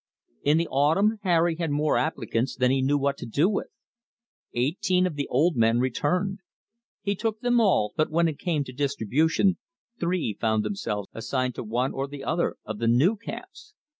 In the autumn Harry had more applicants than he knew what to do with. Eighteen of the old men returned. He took them all, but when it came to distribution, three found themselves assigned to one or the other of the new camps.